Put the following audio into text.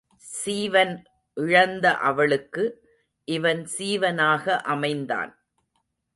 சீவன் இழந்த அவளுக்கு இவன் சீவனாக அமைந்தான்.